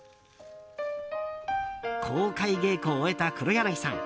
公開稽古を終えた黒柳さん。